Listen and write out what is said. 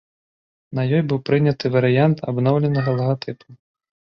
На ёй быў прыняты варыянт абноўленага лагатыпу.